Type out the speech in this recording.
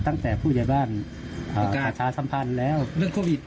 ตั้งแต่ผู้ใหญ่บ้านมีการประชาสัมพันธ์แล้วเรื่องโควิด